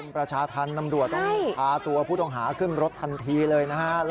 พรชาธรรมนำรับตัวผู้ต้องหาขึ้นรถทันทีเลย